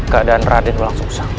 keadaan radin langsung usang